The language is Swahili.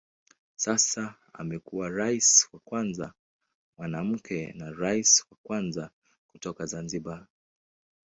Sasa amekuwa rais wa kwanza mwanamke na rais wa kwanza kutoka Zanzibar.